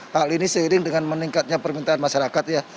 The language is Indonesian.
hal ini seiring dengan meningkatnya permintaan masyarakat ya